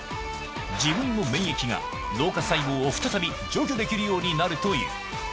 自分の免疫が老化細胞を再び除去できるようになるという。